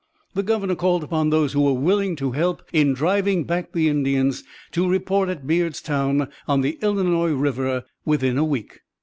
The governor called upon those who were willing to help in driving back the Indians to report at Beardstown, on the Illinois River, within a week.